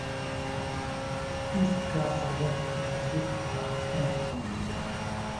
اس کا سبب سیاسی استحکام ہے۔